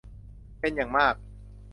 เป็นอย่างมาก